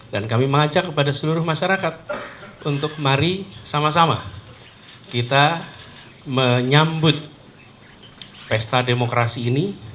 dan kami mengajak kepada seluruh masyarakat untuk mari sama sama kita menyambut pesta demokrasi ini